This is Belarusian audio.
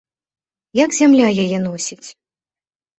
Як зямля яе носіць?